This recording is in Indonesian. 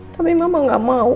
tapi mama gak mau